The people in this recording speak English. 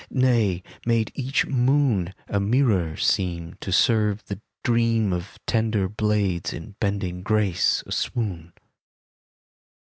Nay, made each moon A mirror seem To serve the dream Of tender blades in bending grace a swoon.